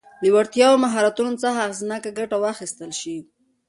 له وړتیاوو او مهارتونو څخه اغېزناکه ګټه واخیستل شي.